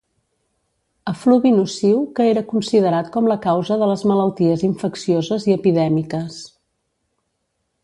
Efluvi nociu que era considerat com la causa de les malalties infeccioses i epidèmiques.